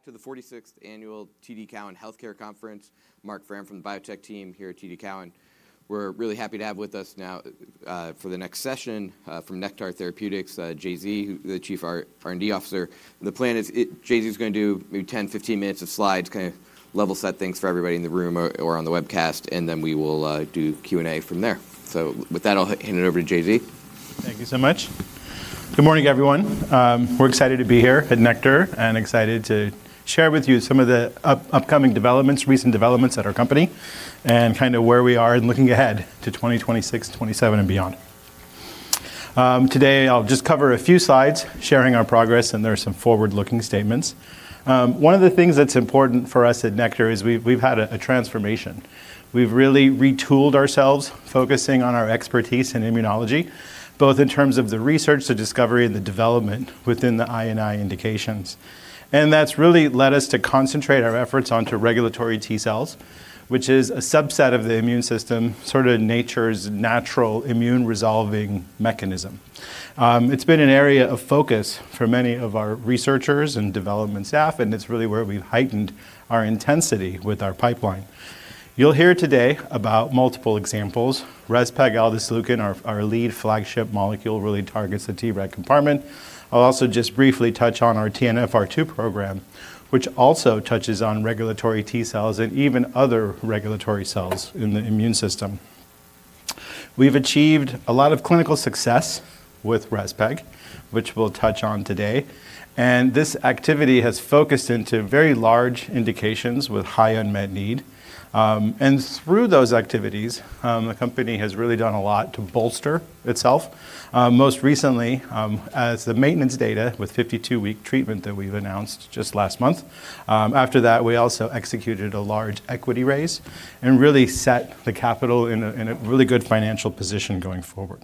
Back to the 46th annual TD Cowen Healthcare Conference. Marc Frahm from the biotech team here at TD Cowen. We're really happy to have with us now for the next session from Nektar Therapeutics, Jonathan Zalevsky, the Chief R&D Officer. The plan is Jonathan Zalevsky is gonna do maybe 10, 15 minutes of slides, kinda level set things for everybody in the room or on the webcast, and then we will do Q&A from there. With that, I'll hand it over to Jonathan Zalevsky. Thank you so much. Good morning, everyone. We're excited to be here at Nektar and excited to share with you some of the upcoming developments, recent developments at our company, and kinda where we are in looking ahead to 2026, 2027 and beyond. Today I'll just cover a few slides sharing our progress, and there are some forward-looking statements. One of the things that's important for us at Nektar is we've had a transformation. We've really retooled ourselves focusing on our expertise in immunology, both in terms of the research, the discovery, and the development within the I&I indications. That's really led us to concentrate our efforts onto regulatory T cells, which is a subset of the immune system, sorta nature's natural immune resolving mechanism. It's been an area of focus for many of our researchers and development staff, and it's really where we've heightened our intensity with our pipeline. You'll hear today about multiple examples. rezpegaldesleukin, our lead flagship molecule, really targets the Treg compartment. I'll also just briefly touch on our TNFR2 program, which also touches on regulatory T cells and even other regulatory cells in the immune system. We've achieved a lot of clinical success with REZPEG, which we'll touch on today, and this activity has focused into very large indications with high unmet need. Through those activities, the company has really done a lot to bolster itself. Most recently, as the maintenance data with 52-week treatment that we've announced just last month. After that, we also executed a large equity raise and really set the capital in a, in a really good financial position going forward.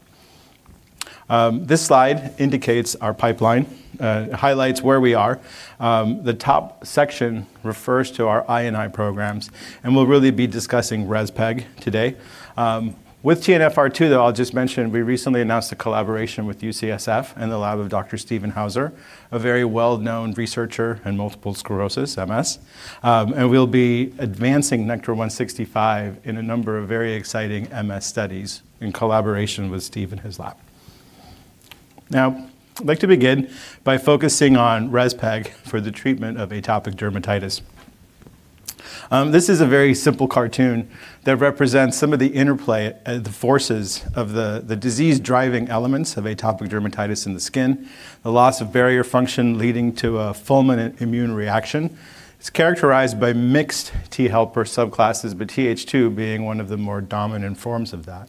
This slide indicates our pipeline, it highlights where we are. The top section refers to our I&I programs, and we'll really be discussing REZPEG today. With TNFR2, though, I'll just mention we recently announced a collaboration with UCSF and the lab of Dr. Stephen Hauser, a very well-known researcher in multiple sclerosis, MS. We'll be advancing NKTR-0165 in a number of very exciting MS studies in collaboration with Steve and his lab. I'd like to begin by focusing on REZPEG for the treatment of atopic dermatitis. This is a very simple cartoon that represents some of the interplay and the forces of the disease-driving elements of atopic dermatitis in the skin, the loss of barrier function leading to a fulminant immune reaction. It's characterized by mixed T helper subclasses, but TH2 being one of the more dominant forms of that.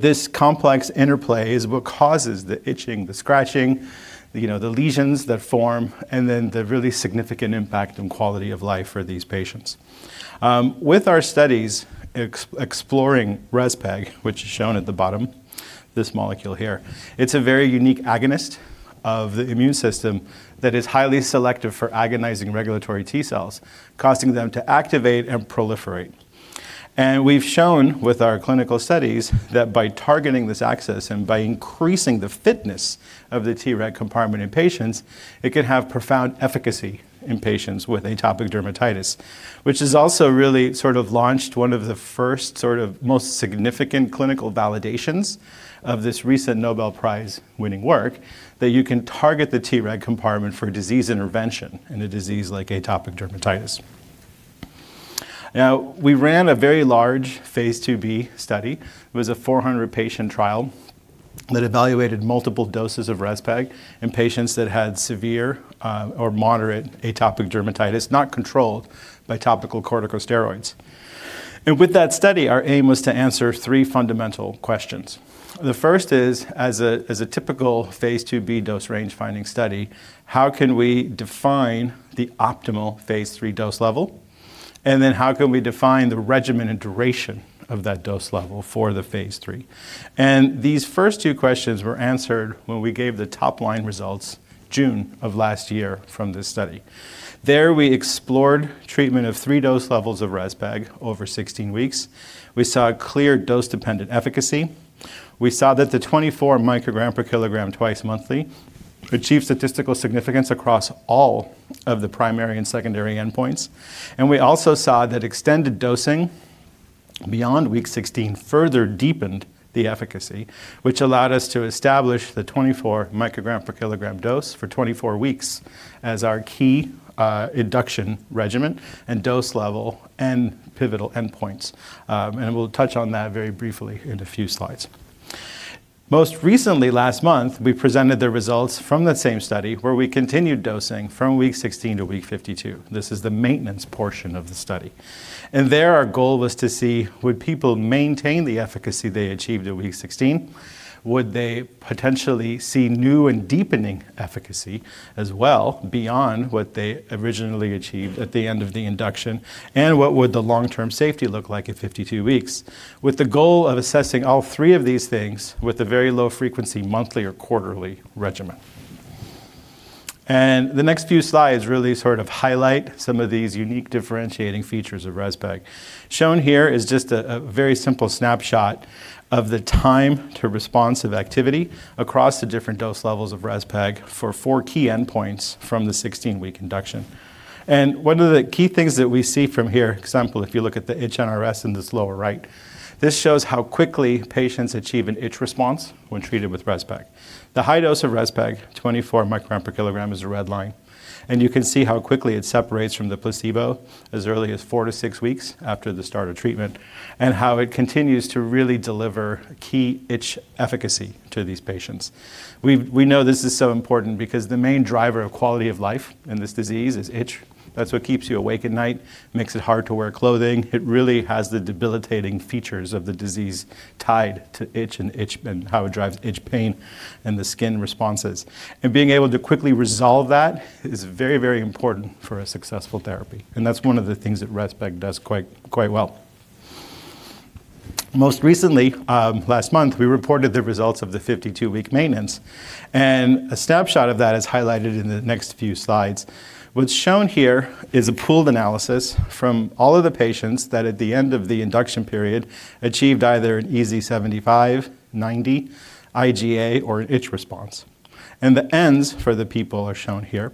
This complex interplay is what causes the itching, the scratching, you know, the lesions that form, and then the really significant impact on quality of life for these patients. With our studies exploring REZPEG, which is shown at the bottom, this molecule here, it's a very unique agonist of the immune system that is highly selective for agonizing regulatory T cells, causing them to activate and proliferate. We've shown with our clinical studies that by targeting this axis and by increasing the fitness of the Treg compartment in patients, it could have profound efficacy in patients with atopic dermatitis, which has also really sort of launched one of the first sort of most significant clinical validations of this recent Nobel Prize-winning work, that you can target the Treg compartment for disease intervention in a disease like atopic dermatitis. We ran a very large phase II-B study. It was a 400-patient trial that evaluated multiple doses of REZPEG in patients that had severe or moderate atopic dermatitis, not controlled by topical corticosteroids. With that study, our aim was to answer three fundamental questions. The first is, as a typical phase II-B dose range finding study, how can we define the optimal phase III dose level? How can we define the regimen and duration of that dose level for the phase III? These first two questions were answered when we gave the top-line results June of last year from this study. There, we explored treatment of three dose levels of REZPEG over 16 weeks. We saw a clear dose-dependent efficacy. We saw that the 24 mcg per kg twice monthly achieved statistical significance across all of the primary and secondary endpoints. We also saw that extended dosing beyond week 16 further deepened the efficacy, which allowed us to establish the 24 mcg per kg dose for 24 weeks as our key induction regimen and dose level and pivotal endpoints. We'll touch on that very briefly in a few slides. Most recently, last month, we presented the results from that same study where we continued dosing from week 16 to week 52. This is the maintenance portion of the study. There, our goal was to see would people maintain the efficacy they achieved at week 16? Would they potentially see new and deepening efficacy as well beyond what they originally achieved at the end of the induction? What would the long-term safety look like at 52 weeks? With the goal of assessing all three of these things with a very low frequency, monthly or quarterly regimen. The next few slides really sort of highlight some of these unique differentiating features of REZPEG. Shown here is just a very simple snapshot of the time to responsive activity across the different dose levels of REZPEG for four key endpoints from the 16-week induction. One of the key things that we see from here, example, if you look at the itch NRS in this lower right, this shows how quickly patients achieve an itch response when treated with REZPEG. The high dose of REZPEG, 24 mcg per kg, is the red line. You can see how quickly it separates from the placebo as early as four to six weeks after the start of treatment and how it continues to really deliver key itch efficacy to these patients. We know this is so important because the main driver of quality of life in this disease is itch. That's what keeps you awake at night, makes it hard to wear clothing. It really has the debilitating features of the disease tied to itch and how it drives itch pain and the skin responses. Being able to quickly resolve that is very, very important for a successful therapy. That's one of the things that REZPEG does quite well. Most recently, last month, we reported the results of the 52-week maintenance, and a snapshot of that is highlighted in the next few slides. What's shown here is a pooled analysis from all of the patients that at the end of the induction period achieved either an EASI-75, 90, IGA or an itch response. The Ns for the people are shown here.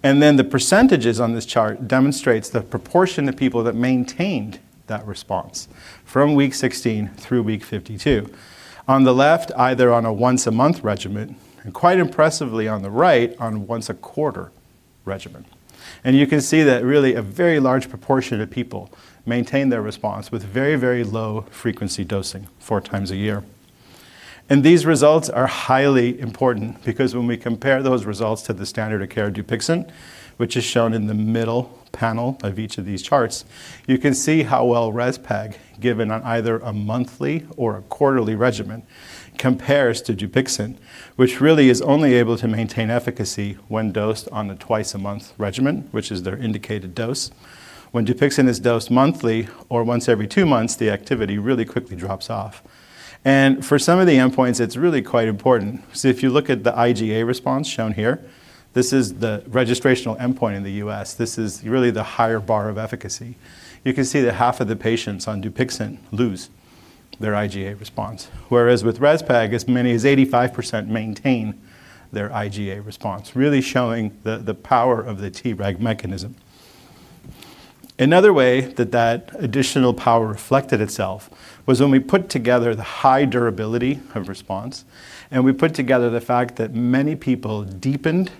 The % on this chart demonstrates the proportion of people that maintained that response from week 16 through week 52. On the left, either on a once-a-month regimen, and quite impressively on the right on once-a-quarter regimen. You can see that really a very large proportion of people maintain their response with very, very low frequency dosing four times a year. These results are highly important because when we compare those results to the standard of care DUPIXENT, which is shown in the middle panel of each of these charts, you can see how well REZPEG, given on either a monthly or a quarterly regimen, compares to DUPIXENT, which really is only able to maintain efficacy when dosed on a two times a month regimen, which is their indicated dose. When DUPIXENT is dosed monthly or once every two months, the activity really quickly drops off. For some of the endpoints, it's really quite important. If you look at the IGA response shown here, this is the registrational endpoint in the U.S. This is really the higher bar of efficacy. You can see that half of the patients on DUPIXENT lose their IGA response. Whereas with REZPEG, as many as 85% maintain their IGA response, really showing the power of the Treg mechanism. Another way that that additional power reflected itself was when we put together the high durability of response, and we put together the fact that many people deepened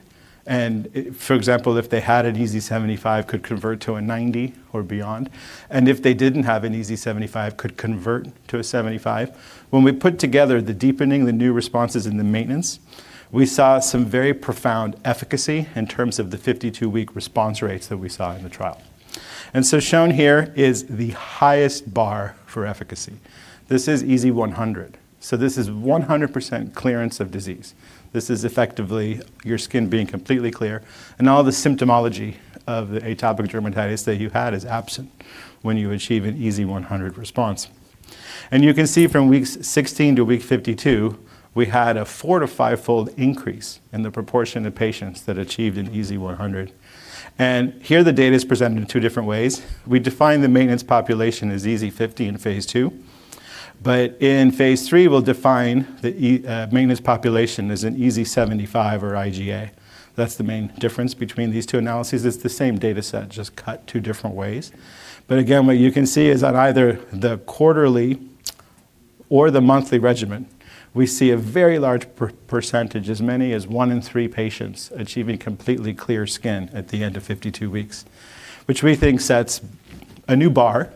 and, for example, if they had an EASI-75 could convert to a 90 or beyond, and if they didn't have an EASI-75 could convert to a 75. When we put together the deepening, the new responses in the maintenance, we saw some very profound efficacy in terms of the 52-week response rates that we saw in the trial. Shown here is the highest bar for efficacy. This is EASI-100, so this is 100% clearance of disease. This is effectively your skin being completely clear and all the symptomology of the atopic dermatitis that you had is absent when you achieve an EASI-100 response. You can see from weeks 16 to week 52, we had a four- to five-fold increase in the proportion of patients that achieved an EASI-100. Here the data is presented in two different ways. We define the maintenance population as EASI-50 in phase II, but in phase III, we'll define the maintenance population as an EASI-75 or IGA. That's the main difference between these two analyses. It's the same data set, just cut two different ways. Again, what you can see is that either the quarterly or the monthly regimen, we see a very large percentage, as many as one in three patients achieving completely clear skin at the end of 52 weeks, which we think sets a new bar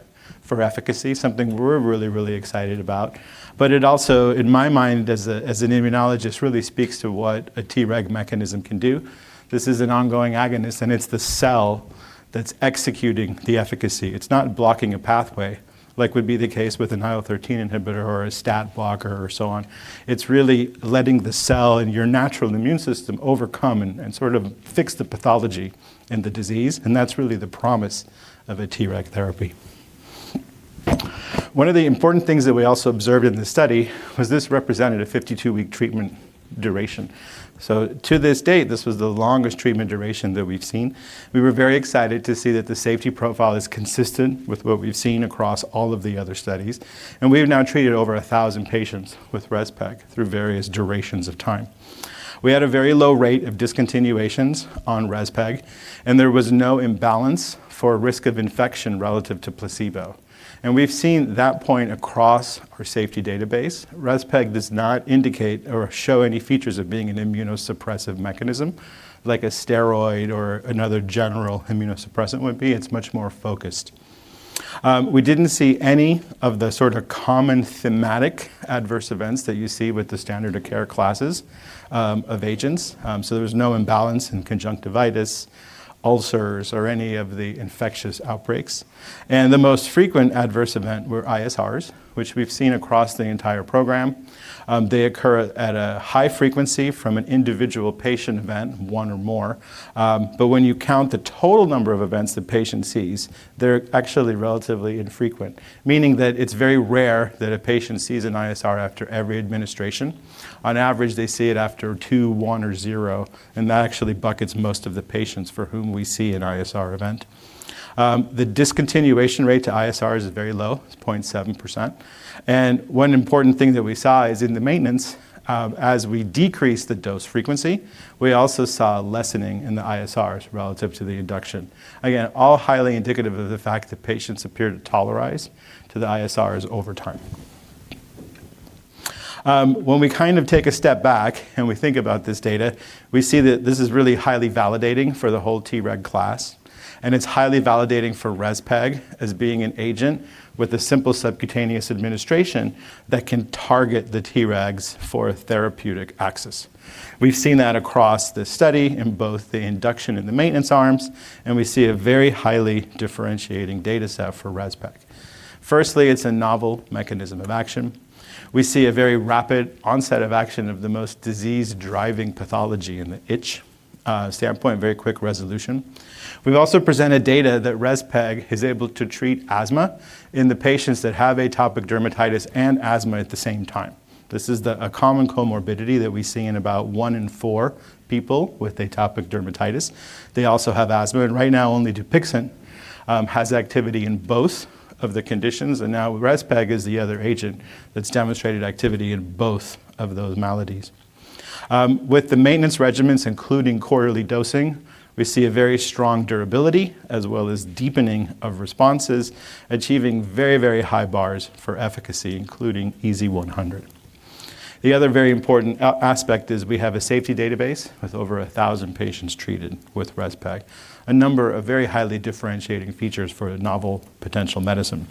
for efficacy, something we're really, really excited about. It also, in my mind, as an immunologist, really speaks to what a Treg mechanism can do. This is an ongoing agonist, and it's the cell that's executing the efficacy. It's not blocking a pathway like would be the case with an IL-13 inhibitor or a STAT blocker or so on. It's really letting the cell and your natural immune system overcome and sort of fix the pathology and the disease, and that's really the promise of a Treg therapy. One of the important things that we also observed in the study was this represented a 52-week treatment duration. To this date, this was the longest treatment duration that we've seen. We were very excited to see that the safety profile is consistent with what we've seen across all of the other studies. We have now treated over 1,000 patients with REZPEG through various durations of time. We had a very low rate of discontinuations on REZPEG, and there was no imbalance for risk of infection relative to placebo. We've seen that point across our safety database. REZPEG does not indicate or show any features of being an immunosuppressive mechanism like a steroid or another general immunosuppressant would be. It's much more focused. We didn't see any of the sort of common thematic adverse events that you see with the standard of care classes of agents. There was no imbalance in conjunctivitis, ulcers or any of the infectious outbreaks. The most frequent adverse event were ISRs, which we've seen across the entire program. They occur at a high frequency from an individual patient event, one or more. When you count the total number of events the patient sees, they're actually relatively infrequent, meaning that it's very rare that a patient sees an ISR after every administration. On average, they see it after two, one, or zero, that actually buckets most of the patients for whom we see an ISR event. The discontinuation rate to ISR is very low. It's 0.7%. One important thing that we saw is in the maintenance, as we decrease the dose frequency, we also saw a lessening in the ISRs relative to the induction. Again, all highly indicative of the fact that patients appear to tolerize to the ISRs over time. When we kind of take a step back and we think about this data, we see that this is really highly validating for the whole Treg class, and it's highly validating for REZPEG as being an agent with a simple subcutaneous administration that can target the Tregs for a therapeutic axis. We've seen that across the study in both the induction and the maintenance arms, and we see a very highly differentiating data set for REZPEG. Firstly, it's a novel mechanism of action. We see a very rapid onset of action of the most disease-driving pathology in the itch standpoint, very quick resolution. We've also presented data that REZPEG is able to treat asthma in the patients that have atopic dermatitis and asthma at the same time. This is a common comorbidity that we see in about one in four people with atopic dermatitis. They also have asthma, right now only DUPIXENT has activity in both of the conditions. Now REZPEG is the other agent that's demonstrated activity in both of those maladies. With the maintenance regimens, including quarterly dosing, we see a very strong durability as well as deepening of responses, achieving very, very high bars for efficacy, including EASI-100. The other very important aspect is we have a safety database with over 1,000 patients treated with REZPEG, a number of very highly differentiating features for a novel potential medicine.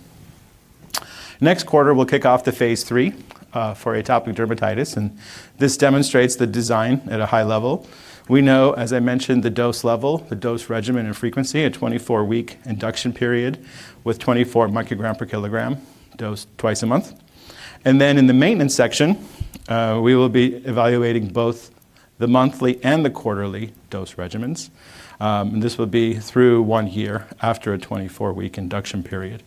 Next quarter, we'll kick off the phase III for atopic dermatitis, this demonstrates the design at a high level. We know, as I mentioned, the dose level, the dose regimen, and frequency, a 24-week induction period with 24 mcg per kg dosed twice a month. In the maintenance section, we will be evaluating both the monthly and the quarterly dose regimens. This will be through one year after a 24-week induction period.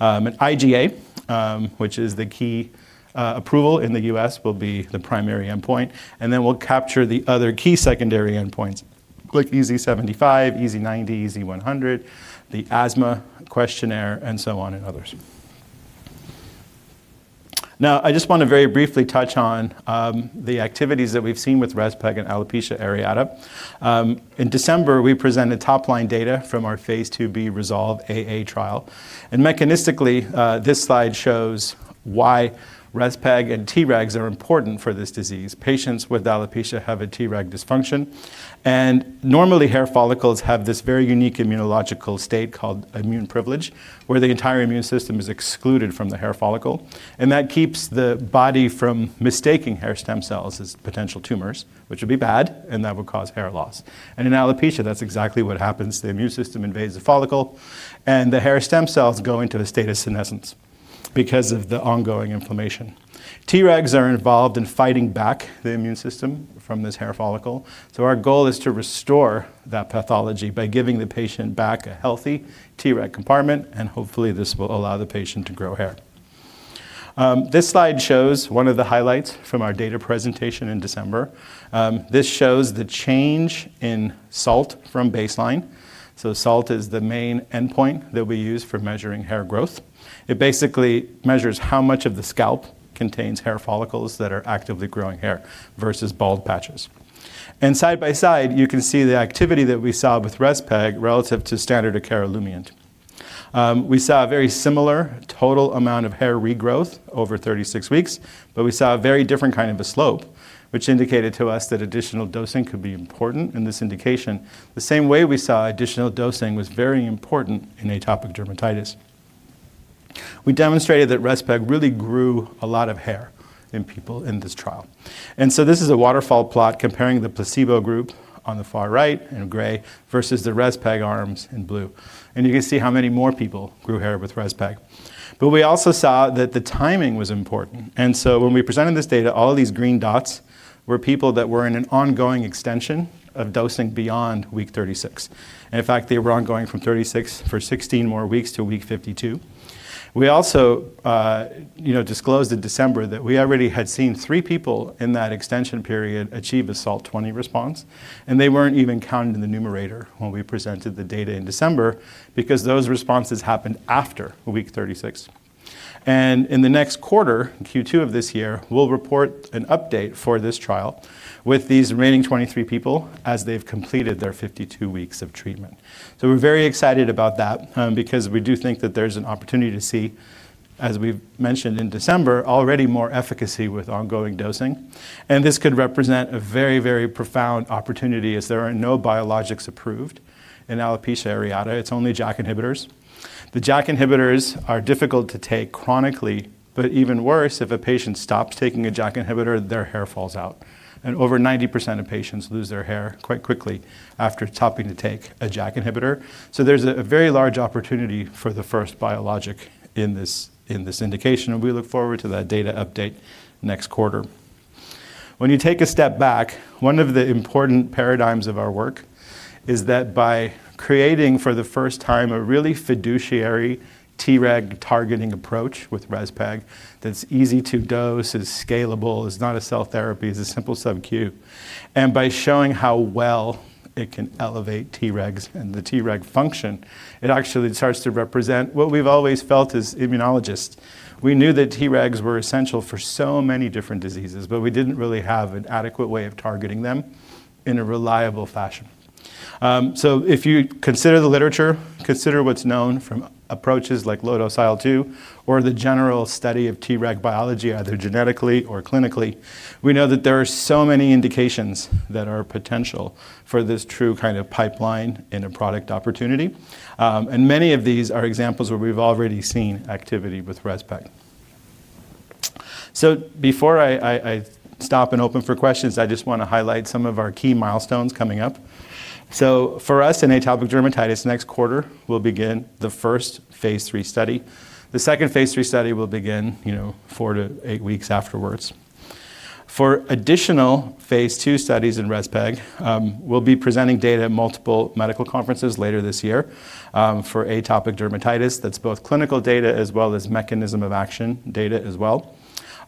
IGA, which is the key approval in the U.S., will be the primary endpoint. We'll capture the other key secondary endpoints like EASI-75, EASI-90, EASI-100, the asthma questionnaire, and so on, and others. I just want to very briefly touch on the activities that we've seen with REZPEG and alopecia areata. In December, we presented top-line data from our phase II-B REZOLVE-AA trial. Mechanistically, this slide shows why REZPEG and Tregs are important for this disease. Patients with alopecia have a Treg dysfunction. Normally, hair follicles have this very unique immunological state called immune privilege, where the entire immune system is excluded from the hair follicle, and that keeps the body from mistaking hair stem cells as potential tumors, which would be bad, and that would cause hair loss. In alopecia, that's exactly what happens. The immune system invades the follicle, and the hair stem cells go into a state of senescence because of the ongoing inflammation. Tregs are involved in fighting back the immune system from this hair follicle. Our goal is to restore that pathology by giving the patient back a healthy Treg compartment, and hopefully, this will allow the patient to grow hair. This slide shows one of the highlights from our data presentation in December. This shows the change in SALT from baseline. SALT is the main endpoint that we use for measuring hair growth. It basically measures how much of the scalp contains hair follicles that are actively growing hair versus bald patches. Side by side, you can see the activity that we saw with REZPEG relative to standard of care Olumiant. We saw a very similar total amount of hair regrowth over 36 weeks, but we saw a very different kind of a slope, which indicated to us that additional dosing could be important in this indication, the same way we saw additional dosing was very important in atopic dermatitis. We demonstrated that REZPEG really grew a lot of hair in people in this trial. This is a waterfall plot comparing the placebo group on the far right in gray versus the REZPEG arms in blue. You can see how many more people grew hair with REZPEG. We also saw that the timing was important. When we presented this data, all of these green dots were people that were in an ongoing extension of dosing beyond week 36. They were ongoing from 36 for 16 more weeks to week 52. We also, you know, disclosed in December that we already had seen three people in that extension period achieve a SALT 20 response, and they weren't even counted in the numerator when we presented the data in December because those responses happened after week 36. In the next quarter, in Q2 of this year, we'll report an update for this trial with these remaining 23 people as they've completed their 52 weeks of treatment. We're very excited about that because we do think that there's an opportunity to see, as we've mentioned in December, already more efficacy with ongoing dosing. This could represent a very, very profound opportunity as there are no biologics approved in alopecia areata. It's only JAK inhibitors. The JAK inhibitors are difficult to take chronically, but even worse, if a patient stops taking a JAK inhibitor, their hair falls out. Over 90% of patients lose their hair quite quickly after stopping to take a JAK inhibitor. There's a very large opportunity for the first biologic in this indication, and we look forward to that data update next quarter. When you take a step back, one of the important paradigms of our work is that by creating for the first time a really preferential Treg targeting approach with REZPEG that's easy to dose, is scalable, is not a cell therapy, is a simple sub-Q. By showing how well it can elevate Tregs and the Treg function, it actually starts to represent what we've always felt as immunologists. We knew that Tregs were essential for so many different diseases, but we didn't really have an adequate way of targeting them in a reliable fashion. If you consider the literature, consider what's known from approaches like low-dose IL-2, or the general study of Treg biology, either genetically or clinically, we know that there are so many indications that are potential for this true kind of pipeline in a product opportunity. Many of these are examples where we've already seen activity with REZPEG. Before I stop and open for questions, I just wanna highlight some of our key milestones coming up. For us in atopic dermatitis, next quarter will begin the first phase III study. The second phase III study will begin, you know, four to eight weeks afterwards. For additional phase II studies in REZPEG, we'll be presenting data at multiple medical conferences later this year, for atopic dermatitis. That's both clinical data as well as mechanism of action data as well.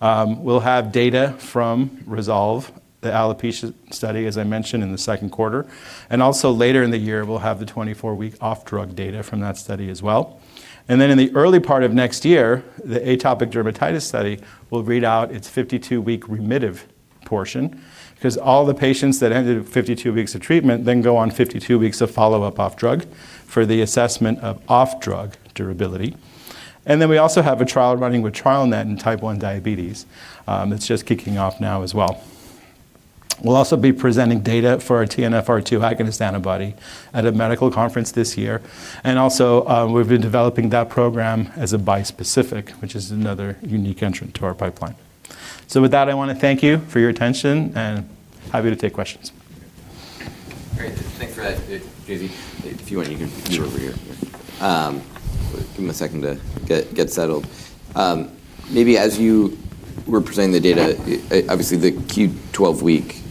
We'll have data from REZOLVE-AA, the alopecia areata study, as I mentioned, in the second quarter, also later in the year, we'll have the 24-week off-drug data from that study as well. In the early part of next year, the atopic dermatitis study will read out its 52-week remittive portion. 'Cause all the patients that ended at 52 weeks of treatment then go on 52 weeks of follow-up off drug for the assessment of off-drug durability. We also have a trial running with TrialNet in type 1 diabetes, that's just kicking off now as well. We'll also be presenting data for our TNFR2 agonist antibody at a medical conference this year, and also, we've been developing that program as a bispecific, which is another unique entrant to our pipeline. With that, I wanna thank you for your attention and happy to take questions. Great. Thanks for that JZ. If you want, you can move over here. Give him a second to get settled. Maybe as you were presenting the data, obviously, the Q 12-week extent, you know,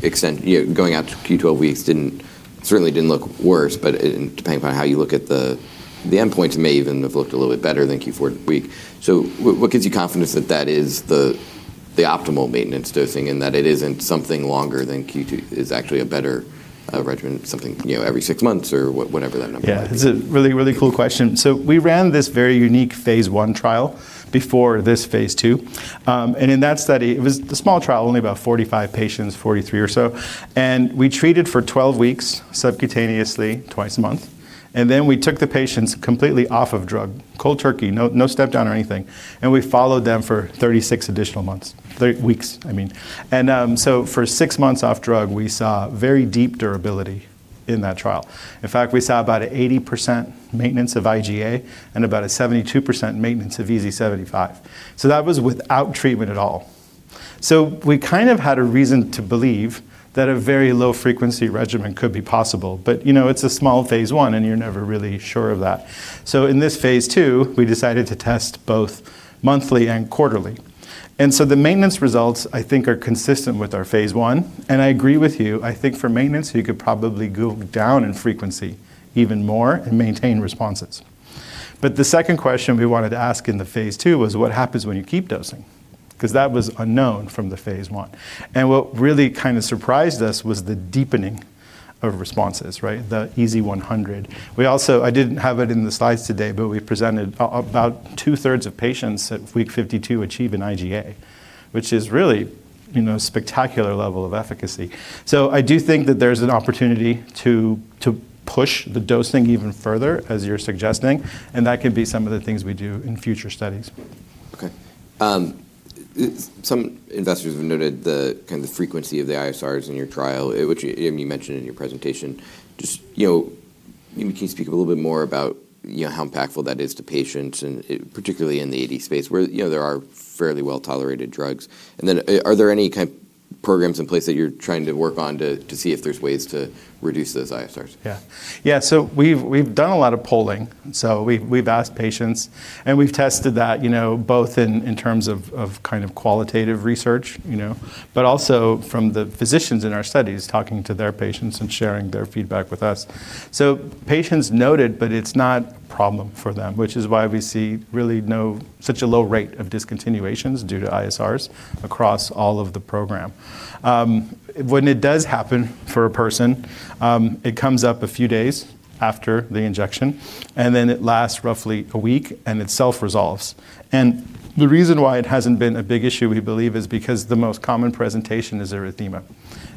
going out to Q 12 weeks certainly didn't look worse, but depending upon how you look at the endpoints may even have looked a little bit better than Q four-week. What gives you confidence that that is the optimal maintenance dosing and that it isn't something longer than Q two is actually a better regimen, something, you know, every six months or whatever that number might be? Yeah. It's a really, really cool question. We ran this very unique phase I trial before this phase II. In that study, it was a small trial, only about 45 patients, 43 or so. We treated for 12 weeks subcutaneously twice a month. We took the patients completely off of drug, cold turkey, no step down or anything. We followed them for 36 additional months, 30 weeks, I mean. For six months off drug, we saw very deep durability in that trial. In fact, we saw about a 80% maintenance of IGA and about a 72% maintenance of EASI-75. That was without treatment at all. We kind of had a reason to believe that a very low frequency regimen could be possible. You know, it's a small phase I, and you're never really sure of that. In this phase II, we decided to test both monthly and quarterly. The maintenance results, I think, are consistent with our phase I. I agree with you. I think for maintenance, you could probably go down in frequency even more and maintain responses. The second question we wanted to ask in the phase II was what happens when you keep dosing? 'Cause that was unknown from the phase I. What really kind of surprised us was the deepening of responses, right? The EASI-100. I didn't have it in the slides today, but we presented about two-thirds of patients at week 52 achieve an IGA, which is really, you know, spectacular level of efficacy. I do think that there's an opportunity to push the dosing even further, as you're suggesting, and that could be some of the things we do in future studies. Okay. Some investors have noted the, kind of the frequency of the ISRs in your trial, which you mentioned in your presentation. Can you speak a little bit more about, you know, how impactful that is to patients, and particularly in the AD space where, you know, there are fairly well-tolerated drugs. Are there any kind of programs in place that you're trying to work on to see if there's ways to reduce those ISRs? Yeah. Yeah. We've done a lot of polling. We've asked patients, and we've tested that, you know, both in terms of kind of qualitative research, you know. Also from the physicians in our studies talking to their patients and sharing their feedback with us. Patients noted, but it's not problem for them, which is why we see really such a low rate of discontinuations due to ISRs across all of the program. When it does happen for a person, it comes up a few days after the injection, and then it lasts roughly a week, and it self-resolves. The reason why it hasn't been a big issue, we believe, is because the most common presentation is erythema.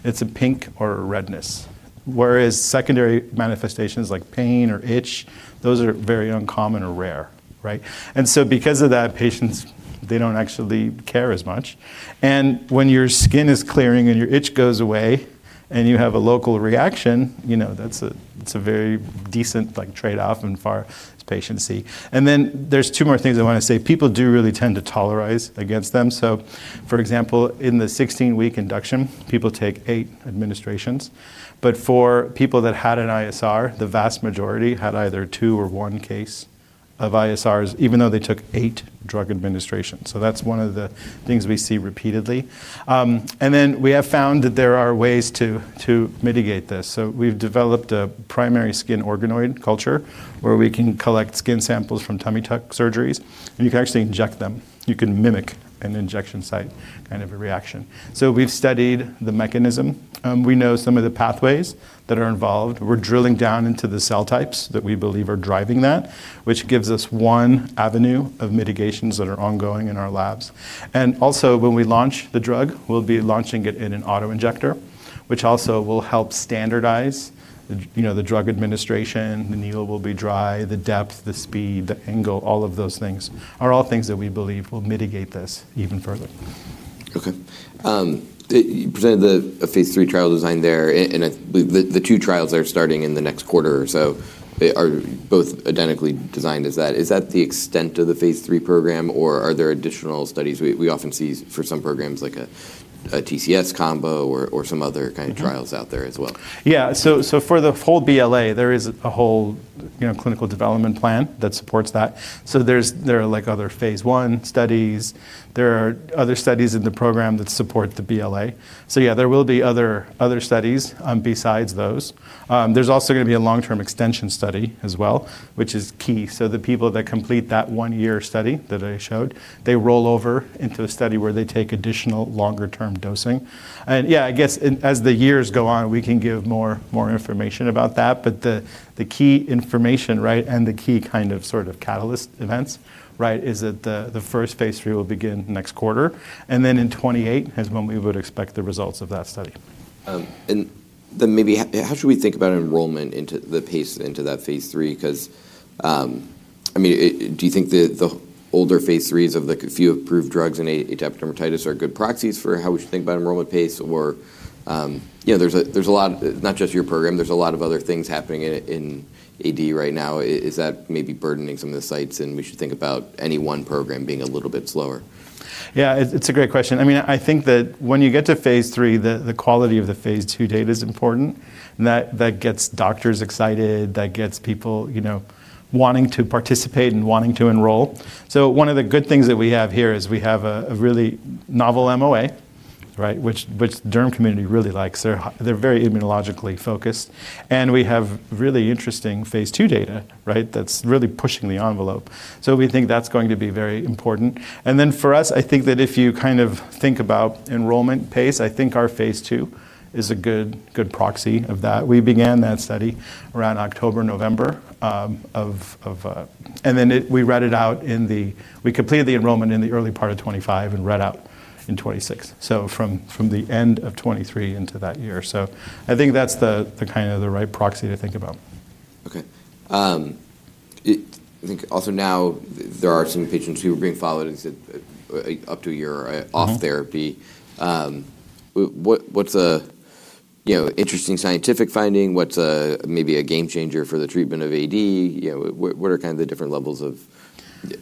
It's a pink or a redness. Whereas secondary manifestations like pain or itch, those are very uncommon or rare, right? Because of that, patients, they don't actually care as much. When your skin is clearing and your itch goes away and you have a local reaction, you know, that's a very decent, like, trade-off as far as patients see. There's two more things I wanna say. People do really tend to tolerize against them. For example, in the 16-week induction, people take eight administrations. For people that had an ISR, the vast majority had either two or one case of ISRs, even though they took eight drug administrations. That's one of the things we see repeatedly. We have found that there are ways to mitigate this. We've developed a primary skin organoid culture where we can collect skin samples from tummy tuck surgeries, and you can actually inject them. You can mimic an injection site kind of a reaction. We've studied the mechanism. We know some of the pathways that are involved. We're drilling down into the cell types that we believe are driving that, which gives us one avenue of mitigations that are ongoing in our labs. Also, when we launch the drug, we'll be launching it in an auto-injector, which also will help standardize the, you know, the drug administration. The needle will be dry, the depth, the speed, the angle, all of those things are all things that we believe will mitigate this even further. Okay. You presented the, a phase III trial design there, the two trials that are starting in the next quarter or so. They are both identically designed as that. Is that the extent of the phase III program, or are there additional studies? We often see for some programs like a TCS combo or some other kind of- Mm-hmm. Trials out there as well. So for the whole BLA, there is a whole, you know, clinical development plan that supports that. There are like other phase I studies. There are other studies in the program that support the BLA. There will be other studies besides those. There's also gonna be a long-term extension study as well, which is key. The people that complete that one-year study that I showed, they roll over into a study where they take additional longer-term dosing. I guess as the years go on, we can give more information about that. The key information, right, and the key kind of sort of catalyst events, right, is that the first phase III will begin next quarter, and then in 2028 is when we would expect the results of that study. Maybe how should we think about enrollment into that phase III? I mean, do you think the older phase IIIs of the few approved drugs in atopic dermatitis are good proxies for how we should think about enrollment pace? You know, there's a lot, not just your program, there's a lot of other things happening in AD right now. Is that maybe burdening some of the sites, and we should think about any one program being a little bit slower? Yeah, it's a great question. I mean, I think that when you get to phase III, the quality of the phase II data is important, and that gets doctors excited, that gets people, you know, wanting to participate and wanting to enroll. One of the good things that we have here is we have a really novel MOA, right, which the derm community really likes. They're very immunologically focused. We have really interesting phase II data, right, that's really pushing the envelope. We think that's going to be very important. For us, I think that if you kind of think about enrollment pace, I think our phase II is a good proxy of that. We began that study around October, November. We read it out in the, we completed the enrollment in the early part of 2025 and read out in 2026. From the end of 2023 into that year. I think that's the kind of the right proxy to think about. Okay. I think also now there are some patients who are being followed and said, up to a year off therapy. What's a, you know, interesting scientific finding? What's a maybe a game changer for the treatment of AD? You know, what are kind of the different levels of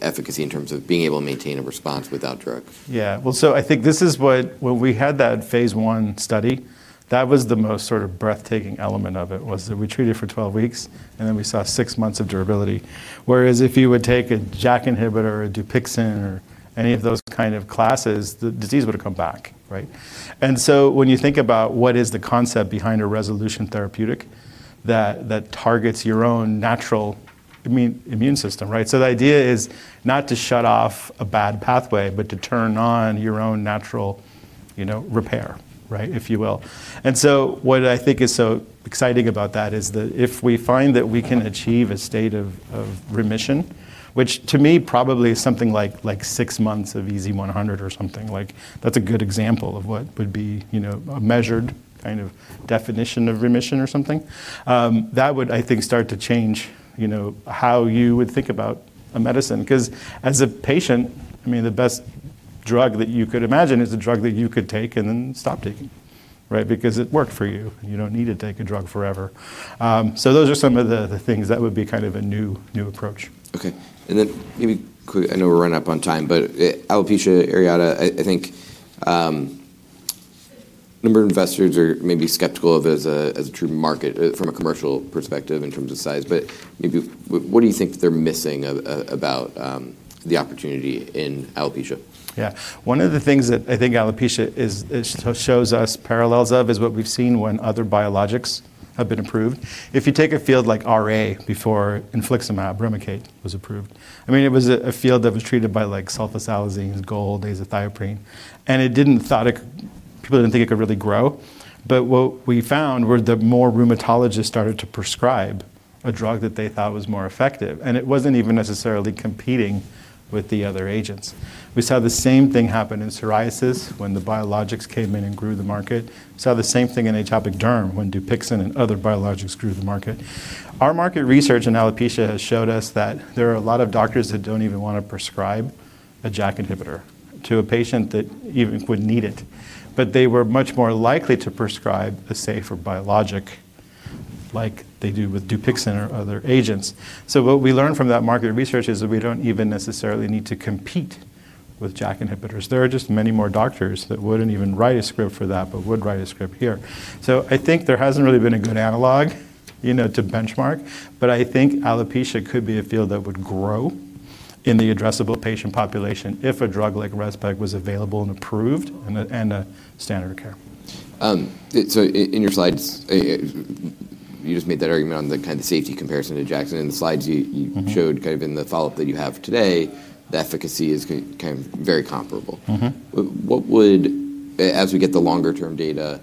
efficacy in terms of being able to maintain a response without drug? Yeah. Well, I think this is what. When we had that phase I study, that was the most sort of breathtaking element of it, was that we treated for 12 weeks, we saw six months of durability. Whereas if you would take a JAK inhibitor, a DUPIXENT or any of those kind of classes, the disease would have come back, right? When you think about what is the concept behind a resolution therapeutic that targets your own natural immune system, right? The idea is not to shut off a bad pathway, but to turn on your own natural, you know, repair, right, if you will. What I think is so exciting about that is that if we find that we can achieve a state of remission, which to me probably is something like six months of EASI-100 or something. Like, that's a good example of what would be, you know, a measured kind of definition of remission or something. That would, I think, start to change, you know, how you would think about a medicine. 'Cause as a patient, I mean, the best drug that you could imagine is a drug that you could take and then stop taking, right? Because it worked for you, and you don't need to take a drug forever. Those are some of the things that would be kind of a new approach. Okay. Maybe I know we're running up on time, alopecia areata, I think, a number of investors are maybe skeptical of as a, as a true market, from a commercial perspective in terms of size. Maybe what do you think they're missing the opportunity in alopecia? Yeah. One of the things that I think alopecia it shows us parallels of is what we've seen when other biologics have been approved. If you take a field like RA before infliximab Remicade was approved. I mean, it was a field that was treated by like sulfasalazine, gold, azathioprine, and people didn't think it could really grow. What we found were the more rheumatologists started to prescribe a drug that they thought was more effective, and it wasn't even necessarily competing with the other agents. We saw the same thing happen in psoriasis when the biologics came in and grew the market. We saw the same thing in atopic derm when DUPIXENT and other biologics grew the market. Our market research in alopecia has showed us that there are a lot of doctors that don't even wanna prescribe a JAK inhibitor to a patient that even would need it. They were much more likely to prescribe a safer biologic like they do with DUPIXENT or other agents. What we learned from that market research is that we don't even necessarily need to compete with JAK inhibitors. There are just many more doctors that wouldn't even write a script for that, but would write a script here. I think there hasn't really been a good analog, you know, to benchmark, but I think alopecia could be a field that would grow in the addressable patient population if a drug like REZPEG was available and approved and a standard of care. In your slides, you just made that argument on the kind of safety comparison to JAK, and in the slides you showed kind of in the follow-up that you have today, the efficacy is kind of very comparable. Mm-hmm. As we get the longer-term data,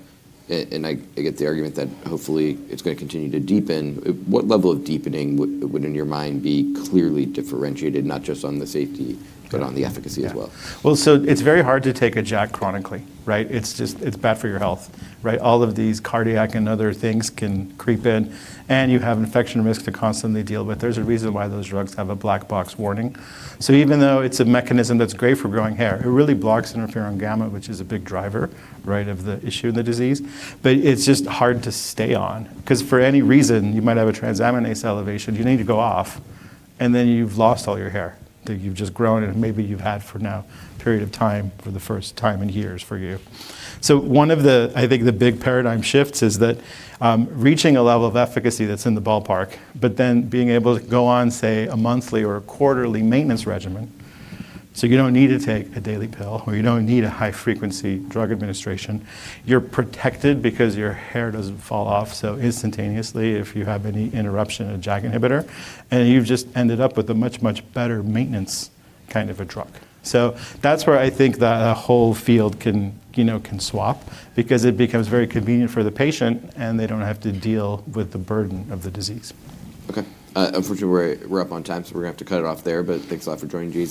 and I get the argument that hopefully it's gonna continue to deepen, what level of deepening would in your mind be clearly differentiated not just on the safety but on the efficacy as well? It's very hard to take a JAK chronically, right? It's just It's bad for your health, right? All of these cardiac and other things can creep in, and you have infection risk to constantly deal with. There's a reason why those drugs have a black box warning. Even though it's a mechanism that's great for growing hair, it really blocks interferon gamma, which is a big driver, right, of the issue of the disease. It's just hard to stay on 'cause for any reason, you might have a transaminase elevation, you need to go off, and then you've lost all your hair that you've just grown and maybe you've had for now a period of time for the first time in years for you. One of the... I think the big paradigm shifts is that, reaching a level of efficacy that's in the ballpark, but then being able to go on, say, a monthly or a quarterly maintenance regimen, so you don't need to take a daily pill, or you don't need a high-frequency drug administration. You're protected because your hair doesn't fall off so instantaneously if you have any interruption of JAK inhibitor, and you've just ended up with a much, much better maintenance kind of a drug. That's where I think the whole field can, you know, can swap because it becomes very convenient for the patient, and they don't have to deal with the burden of the disease. Okay. Unfortunately, we're up on time, we're gonna have to cut it off there, thanks a lot for joining, Jonathan.